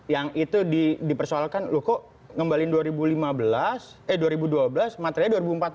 yang itu dipersoalkan loh kok ngembalin dua ribu dua belas matrei dua ribu empat belas